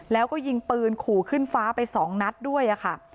แล้วก็ยิงปืนขู่ขึ้นฟ้าไปสองนัดด้วยค่ะ